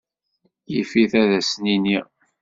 Yif-it ad asen-iniɣ.